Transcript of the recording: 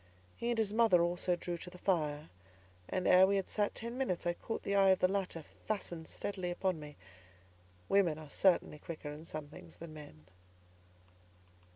He and his mother also drew to the fire, and ere we had sat ten minutes, I caught the eye of the latter fastened steadily upon me. Women are certainly quicker in some things than men.